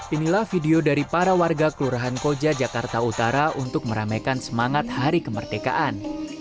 inilah video dari para warga kelurahan koja jakarta utara untuk meramaikan semangat hari kemerdekaan